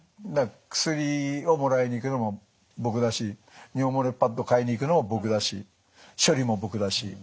薬をもらいに行くのも僕だし尿漏れパッド買いに行くのも僕だし処理も僕だし。